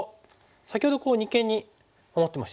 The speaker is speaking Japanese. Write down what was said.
先ほど二間に守ってましたよね。